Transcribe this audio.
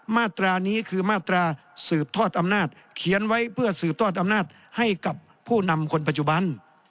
มาตรานี้คือมาตราสืบทอดอำนาจเขียนไว้เพื่อสืบทอดอำนาจให้กับผู้นำคนปัจจุบัน